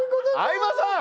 相葉さん！